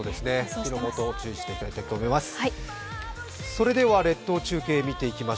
火の元、注意していただきたいと思います。